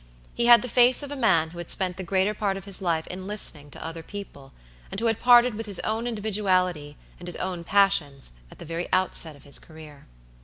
He had the face of a man who had spent the greater part of his life in listening to other people, and who had parted with his own individuality and his own passions at the very outset of his career.